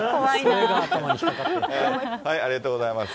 ありがとうございます。